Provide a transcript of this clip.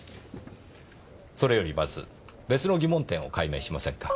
それよりまず別の疑問点を解明しませんか？